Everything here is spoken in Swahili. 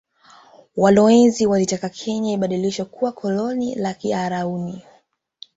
Walowezi walitaka Kenya ibadilishwe kuwa koloni la kiarauni